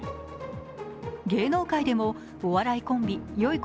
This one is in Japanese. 芸能界でも、お笑いコンビよゐ